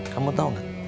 kamu tahu nggak